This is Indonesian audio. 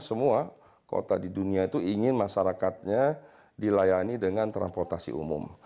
semua kota di dunia itu ingin masyarakatnya dilayani dengan transportasi umum